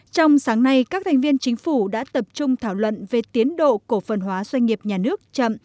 trong sáng nay các thành viên chính phủ đã tập trung thảo luận về tiến độ cổ phần hóa doanh nghiệp nhà nước chậm